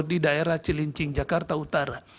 di daerah cilincing jakarta utara